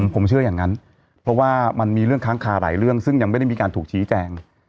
ผมเชื่ออย่างนั้นเพราะว่ามันมีเรื่องค้างคาหลายเรื่องซึ่งยังไม่ได้มีการถูกชี้แจง